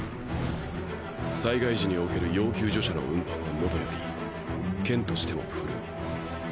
災害時における要救助者の運搬はもとより剣としても振るう。